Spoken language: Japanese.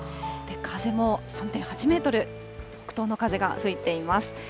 風も３．８メートル、北東の風が吹いています。